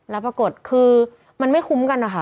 แล้วปรากฏคือมันไม่คุ้มกันนะคะ